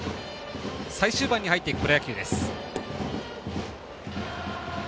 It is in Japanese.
最終盤に入っているプロ野球です。